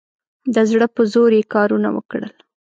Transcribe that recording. د زړه په زور یې کارونه وکړل.